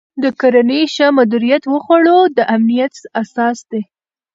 د کرنې ښه مدیریت د خوړو د امنیت اساس دی.